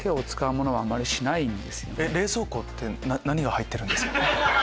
冷蔵庫って何が入ってるんですか？